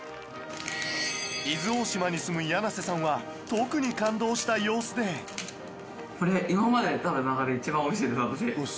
伊豆大島に住む柳瀬さんは特にこれ今まで食べた中で一番おいしいです私。